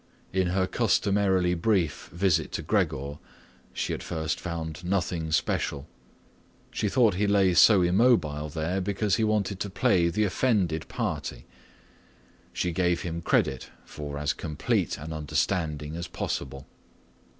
In her customarily brief visit to Gregor she at first found nothing special. She thought he lay so immobile there because he wanted to play the offended party. She gave him credit for as complete an understanding as possible.